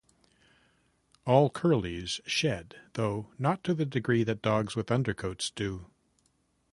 All Curlies shed though not to the degree that dogs with undercoats do.